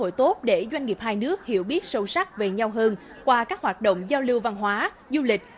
cơ hội tốt để doanh nghiệp hai nước hiểu biết sâu sắc về nhau hơn qua các hoạt động giao lưu văn hóa du lịch